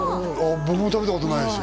僕も食べたことないです